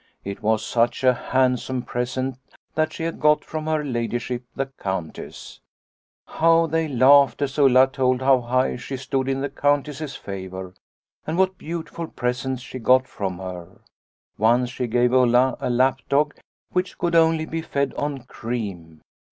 It was such a handsome present that she had got from her ladyship the Countess. How they laughed as Ulla told how high she stood in the Countess's favour and what beautiful presents she got from her. Once she gave Ulla a lapdog which could only be fed on cream.